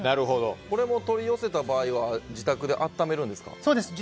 これも取り寄せた場合は自宅で温めるんですか？